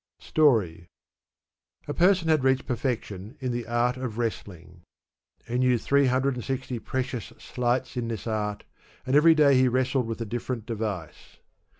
Story. A person had reached perfection in the art of wrestling. He knew three hundred and sixty precious sleights in this art, and every day he wrestled with a different device.